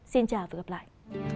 xin chào và hẹn gặp lại